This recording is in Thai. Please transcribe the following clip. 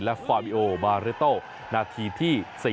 และฟาวิโอบาเรโตนัทธิ๔๐